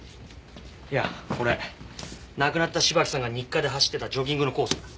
いやこれ亡くなった芝木さんが日課で走ってたジョギングのコースだ。